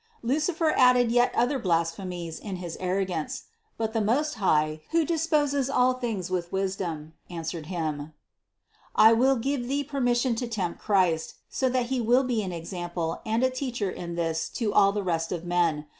Lucifer added yet other blasphemies in his arrogance. But the Most High, who disposes all things with wisdom, answered him: "I will give thee permis sion to tempt Christ, so that He will be an example and a teacher in this to all the rest of men.